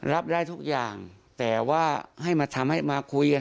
รับได้ทุกอย่างแต่ว่าให้มาทำให้มาคุยกัน